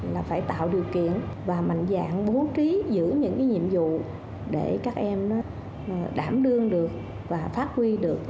là phải tạo điều kiện và mạnh dạng bố trí giữ những nhiệm vụ để các em đảm đương được và phát huy được